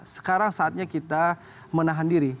sekarang saatnya kita menahan diri